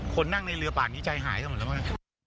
คนนั่งในเรือปากนี้ใจหายสมมุติว่า